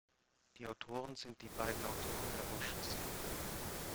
Die Autoren sind die beiden Autoren der Ausschüsse.